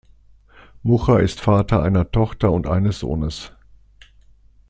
Mucha ist Vater einer Tochter und eines Sohnes.